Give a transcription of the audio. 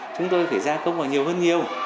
chúng tôi phải ra công vào nhiều hơn